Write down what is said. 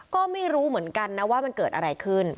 ก็ไม่รู้เหมือนกันนะว่ามันเกิดอะไรขึ้น